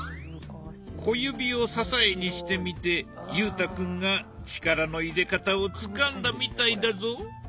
小指を支えにしてみて裕太君が力の入れ方をつかんだみたいだぞ。